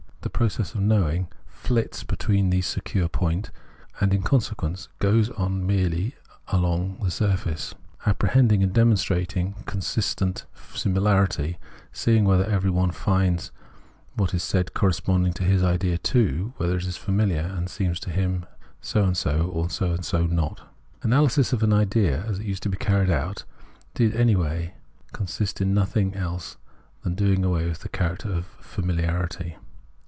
The process of knowing flits between these secure points, and in consequence goes on merely along the surface. Apprehending and demon strating consist similarly in seeing whether every one finds what is said corresponding to his idea too, whether it is familiar and seems to him so and so or not, 30 Phenomenology of Mind Analysis of an idea, as it used to be carried out, did anyhow consist in notMng else ttan doing away with its character of familiarity.